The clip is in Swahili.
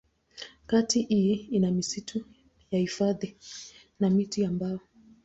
Kata hii ina misitu ya hifadhi na miti ya mbao.